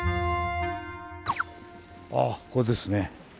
あっこれですね。